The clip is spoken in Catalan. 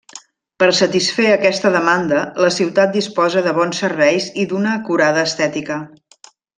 Per satisfer aquesta demanda, la ciutat disposa de bons serveis i d'una acurada estètica.